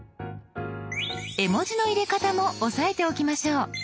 絵文字の入れ方も押さえておきましょう。